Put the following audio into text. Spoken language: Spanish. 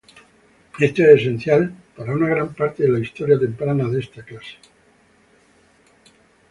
Esto es esencial para una gran parte de la historia temprana de esta clase.